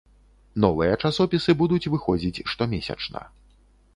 Новыя часопісы будуць выходзіць штомесячна.